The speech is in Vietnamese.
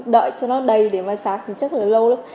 đợi cho nó đầy để mà sạc thì chắc là lâu lắm